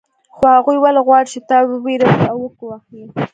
خو هغوی ولې غواړي چې تا وویروي او وګواښي